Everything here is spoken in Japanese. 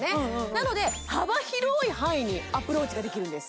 なので幅広い範囲にアプローチができるんです